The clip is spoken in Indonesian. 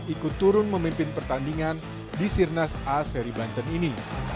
ikut turun memimpin pertandingan di sirnas a seribanten ini